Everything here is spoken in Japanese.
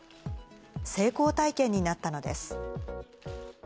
成功体験になったのです。